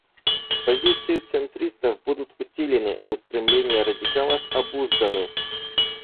Позиции центристов будут усилены, а устремления радикалов — обузданы.